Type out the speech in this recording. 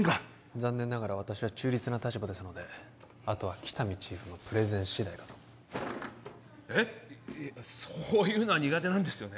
残念ながら私は中立な立場ですのであとは喜多見チーフのプレゼン次第かとえそういうのは苦手なんですよね